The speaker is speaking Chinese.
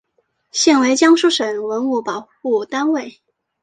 现为江苏省文物保护单位。